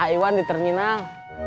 aywan di terminal